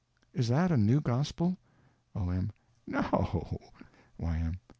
Is that a new gospel? O.M. No.